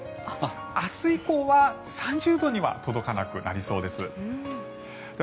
明日以降は３０度には届かなくなりそうです。